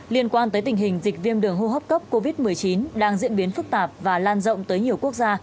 liên quan tới tình hình dịch viêm đường hô hấp cấp covid một mươi chín đang diễn biến phức tạp và lan rộng tới nhiều quốc gia